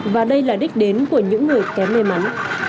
và đây là đích đến của những người kém may mắn